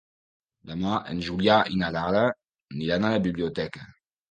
Demà en Julià i na Lara aniran a la biblioteca.